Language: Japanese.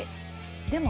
でも。